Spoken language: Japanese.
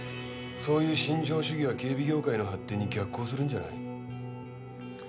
そういう心情主義は警備業界の発展に逆行するんじゃない？